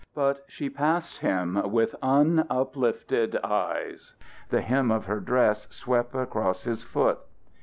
But she passed him with unuplifted eyes. The hem of her dress swept across his foot.